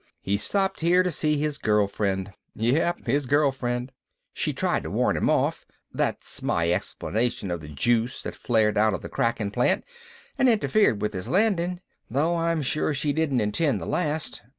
He stopped here to see his girlfriend. Yep, his girlfriend. She tried to warn him off that's my explanation of the juice that flared out of the cracking plant and interfered with his landing, though I'm sure she didn't intend the last.